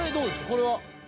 これは。